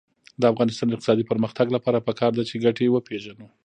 د افغانستان د اقتصادي پرمختګ لپاره پکار ده چې ګټې وپېژنو.